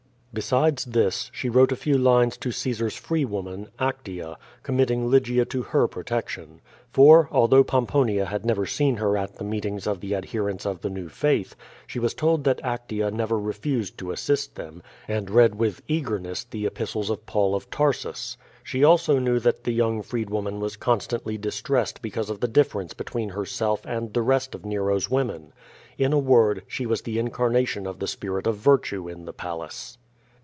Besides this, she wrote a few lines to Caesar's freewoman, Actca, committing Lygia to her protection. For, although Pomponia had never seen her at the meetings of the ad lierents of the new faith, she was told that Actea never re fused to assist them, and read with eagerness the Epistles of Paul of Tarsus. She also knew that the young freedwoman was constantly distressed because of the difference between herself and the rest of Nero's women: in a word, she was the incarnation of the spirit of virtue in the palace.